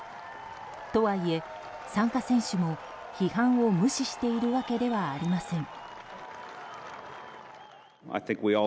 とはいえ、参加選手も批判を無視しているわけではありません。